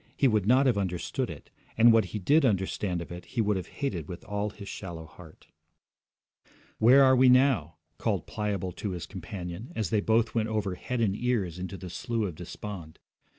He would not have understood it, and what he did understand of it he would have hated with all his shallow heart. 'Where are we now?' called Pliable to his companion, as they both went over head and ears into the Slough of Despond.